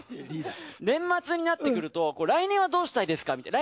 年末になってくると来年はどうしたいですかみたいな。